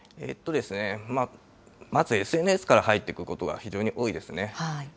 まずＳＮＳから入っていくことが非常に多いですね。